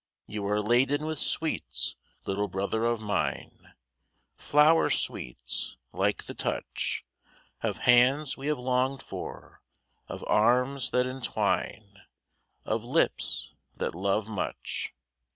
You are laden with sweets, little brother of mine, Flower sweets, like the touch Of hands we have longed for, of arms that entwine, Of lips that love much.